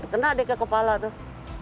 kena adeknya kepala tuh